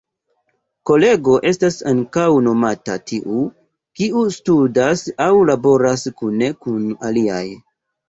Kolego estas ankaŭ nomata tiu, kiu studas aŭ laboras kune kun aliaj.